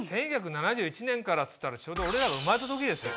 １９７１年からっつったらちょうど俺らが生まれた時ですよ。